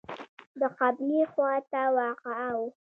د قبلې خواته واقع و.